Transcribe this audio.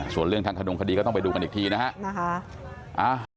ส่วนเรื่องทางขนงคดีก็ต้องไปดูกันอีกทีนะฮะ